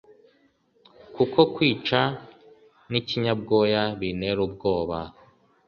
Kuko kwica n'ikinyabwoya bintera ubwoba.